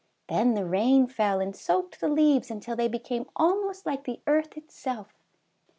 Then the rain fell and soaked the leaves until they became almost like the earth itself.